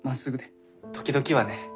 時々はね